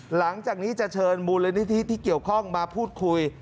หลังจากนี้จะเชิญมูลนิธิที่เกี่ยวข้องมาพูดคุย